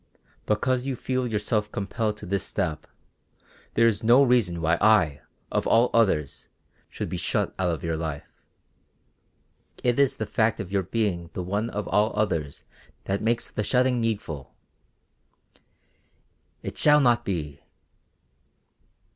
Because you feel yourself compelled to this step, there is no reason why I, of all others, should be shut out of your life." "It is the fact of your being the one of all others that makes the shutting needful." "It shall not be."